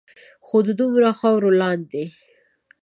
خو د دومره خاورو لاندے